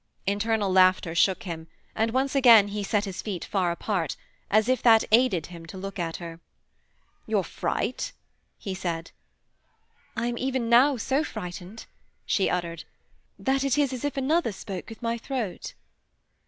Internal laughter shook him, and once again he set his feet far apart, as if that aided him to look at her. 'Your fright!' he said. 'I am even now so frightened,' she uttered, 'that it is as if another spoke with my throat.'